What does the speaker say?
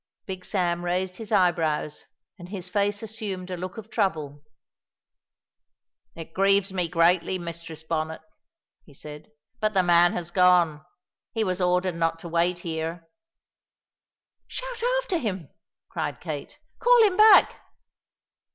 Big Sam raised his eyebrows and his face assumed a look of trouble. "It grieves me greatly, Mistress Bonnet," he said, "but the man has gone. He was ordered not to wait here." "Shout after him!" cried Kate; "call him back!"